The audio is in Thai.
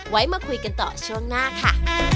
ไว้มาคุยกันต่อช่วงหน้าค่ะ